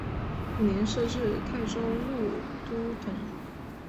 五年设置泰州路都统。